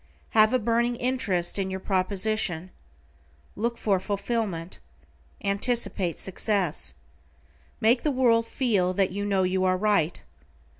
Have a burning interest in your proposition. Look for fulfillment. Anticipate success. Make the world feel that you know you are right.